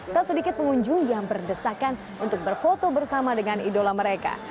tak sedikit pengunjung yang berdesakan untuk berfoto bersama dengan idola mereka